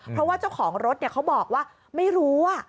เพราะว่าเจ้าของรถเขาบอกว่าไม่รู้